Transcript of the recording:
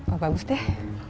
oh bagus deh